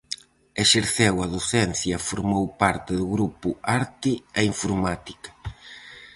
Exerceu a docencia e formou parte do Grupo Arte e Informática.